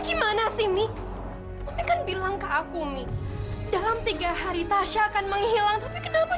gimana sih mik akan bilang ke aku mi dalam tiga hari tasya akan menghilang tapi kenapa